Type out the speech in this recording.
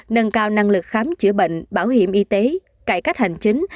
nâng cao năng lực khám chữa bệnh bảo hiểm y tế cải cách hành chính